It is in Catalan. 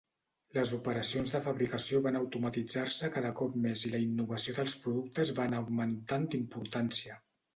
Les operacions de fabricació van automatitzar-se cada cop més i la innovació dels productes va anar augmentant d'importància.